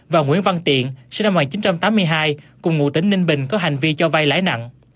và nguyễn văn tiện cùng ngụ tín ninh bình có hành vi cho vay lãi nặng